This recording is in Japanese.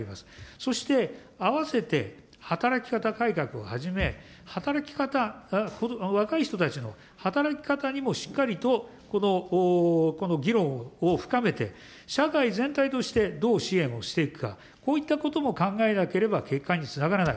そして併せて働き方改革をはじめ、働き方、若い人たちの働き方にもしっかりとこの議論を深めて、社会全体として、どう支援をしていくか、こういったことも考えなければ結果につながらない。